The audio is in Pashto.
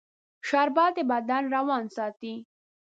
شربت د بدن روان ساتي